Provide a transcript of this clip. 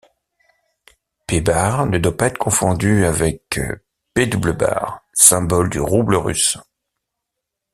Ꝑ ne doit pas être confondu avec ₽, symbole du rouble russe.